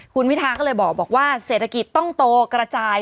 คุณวิทาก็เลยบอกว่าเศรษฐกิจต้องโตกระจาย